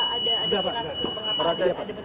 ada bentuk intervensi